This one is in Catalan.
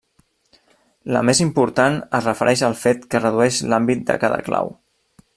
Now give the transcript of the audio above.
La més important es refereix al fet que redueix l'àmbit de cada clau.